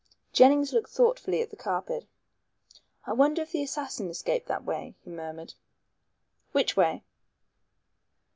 Jennings looked thoughtfully at the carpet. "I wonder if the assassin escaped that way," he murmured. "Which way?"